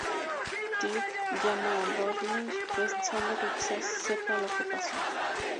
Ted llama a Barney, pensando que quizás sepa lo que pasó.